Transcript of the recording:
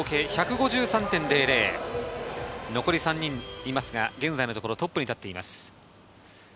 残り３人いますが、現在のところトップに立っています。